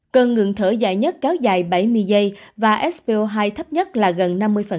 cân ngừng thở dài nhất kéo dài bảy mươi giây và spo hai thấp nhất là gần năm mươi